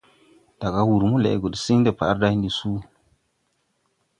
Daga wǔr mo lɛʼgɔ gesiŋ deparday ndi suu.